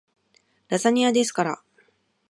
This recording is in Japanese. ラザニアですから